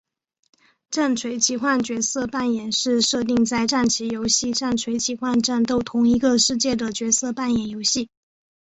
战锤奇幻角色扮演是设定在战棋游戏战锤奇幻战斗同一个世界的角色扮演游戏。